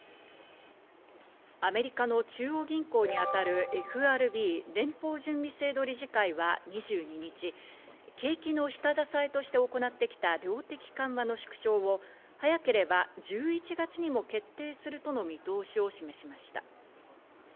アメリカの中央銀行にあたるＦＲＢ＝連邦準備制度理事会は２２日、景気の下支えとして行ってきた量的緩和の縮小を早ければ１１月にも決定するとの見通しを示しました。